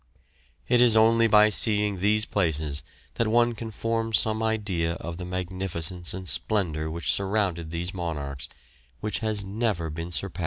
It is only by seeing these places that one can form some idea of the magnificence and splendour which surrounded these monarchs, which has never been surpassed.